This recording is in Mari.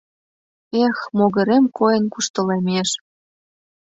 Эх, могырем койын куштылемеш!